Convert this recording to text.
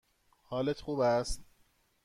حالت خوب است؟